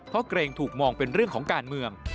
เพราะเกรงถูกมองเป็นเรื่องของการเมือง